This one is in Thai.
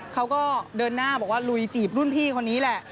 เขาก็เดินหน้าบอกว่าลุยจีบรุ่นพี่คนนี้แหละ